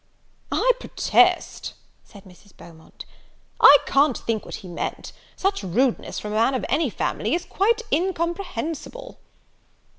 "I protest," said Mrs. Beaumont, "I can't think what he meant; such rudeness, from a man of any family, is quite incomprehensible."